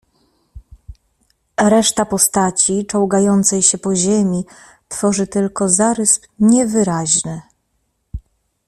"Reszta postaci, czołgającej się po ziemi, tworzy tylko zarys niewyraźny."